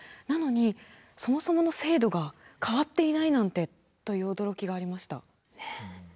なのにそもそもの制度が変わっていないなんてという驚きがありました。